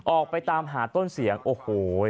ออกไปตามหาต้นเสียงโอ้โห